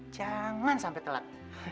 jangan sampe telat